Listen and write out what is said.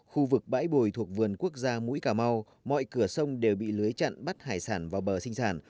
khu vực bãi bồi thuộc vườn quốc gia mũi cà mau mọi cửa sông đều bị lưới chặn bắt hải sản vào bờ sinh sản